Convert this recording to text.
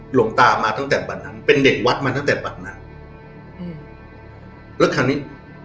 หลวงตามาตั้งแต่บัตรนั้นเป็นเด็กวัดมาตั้งแต่บัตรนั้นอืมแล้วคราวนี้